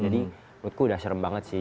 jadi menurutku udah serem banget sih